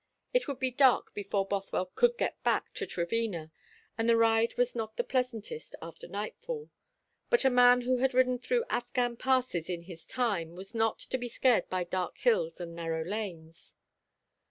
It would be dark before Bothwell could get back to Trevena, and the ride was not the pleasantest after nightfall; but a man who had ridden through Afghan passes in his time was not to be scared by dark hills and narrow lanes.